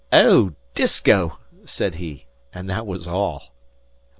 "Oh, Disko!" said he, and that was all.